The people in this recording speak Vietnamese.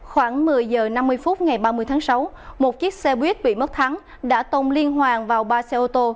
khoảng một mươi h năm mươi phút ngày ba mươi tháng sáu một chiếc xe buýt bị mất thắng đã tông liên hoàng vào ba xe ô tô